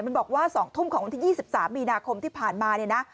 มันบอกว่า๒ทุ่มของวันที่๒๓มีนาคมที่ผ่านมาเนี่ยนะ